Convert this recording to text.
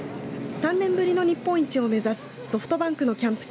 ３年ぶりの日本一を目指すソフトバンクのキャンプ地